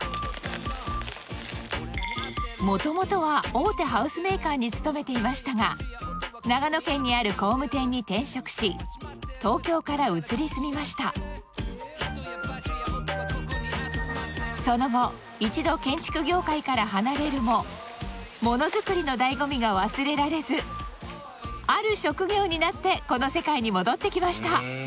元々は大手ハウスメーカーに勤めていましたが長野県にある工務店に転職し東京から移り住みましたその後一度建築業界から離れるもものづくりの醍醐味が忘れられずある職業になってこの世界に戻ってきました